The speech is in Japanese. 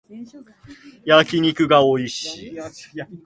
焼き肉がおいしい